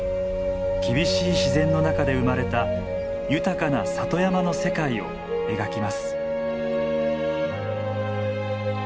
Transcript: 厳しい自然の中で生まれた豊かな里山の世界を描きます。